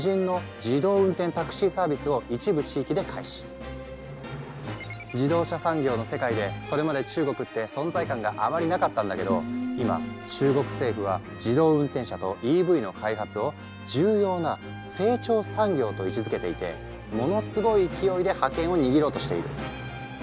例えば自動車産業の世界でそれまで中国って存在感があまりなかったんだけど今中国政府は自動運転車とＥＶの開発を重要な成長産業と位置づけていてものすごい勢いで覇権を握ろうとしている。